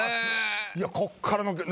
いやこっからの。